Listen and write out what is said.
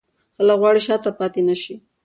خلک غواړي شاته پاتې نه شي.